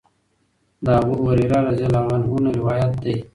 د ابوهريره رضی الله عنه نه روايت دی